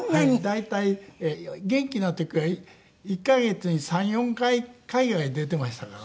大体元気な時は１カ月に３４回海外に出ていましたから。